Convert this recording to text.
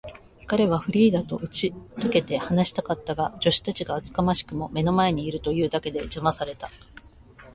彼はフリーダとうちとけて話したかったが、助手たちが厚かましくも目の前にいるというだけで、じゃまされた。